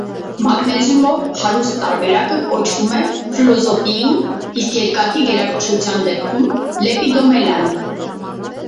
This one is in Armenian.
Մագնեզիումով հարուստ տարբերակը կոչվում է ֆլոզոպիու, իսկ երկաթի գերակշռության դեպքում՝ լեպիդոմելան։